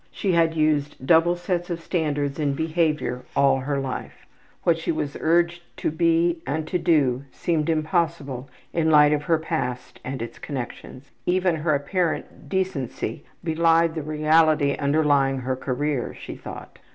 She had used double sets of standards in behavior all through her life. What she was urged to be and to do seemed impossible in the light of her past and its connections. Even her apparent decency belied the reality underlying her career, she thought.